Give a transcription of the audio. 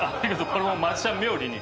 これもマジシャン冥利に。